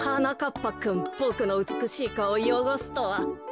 ぱくんボクのうつくしいかおをよごすとは。